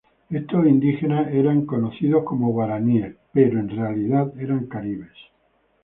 Estos indígenas eran racialmente conocidos como guaraníes que en realidad eran caribes.